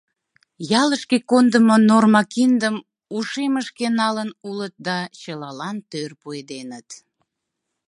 Ялышке кондымо норма киндым ушемышке налын улыт да чылалан тӧр пуэденыт.